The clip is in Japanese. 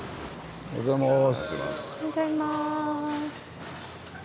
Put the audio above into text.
おはようございます。